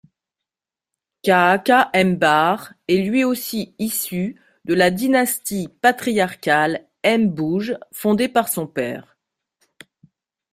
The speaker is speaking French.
Caaka Mbar est lui issu de la dynastie patriarcale Mbooj fondée par son père.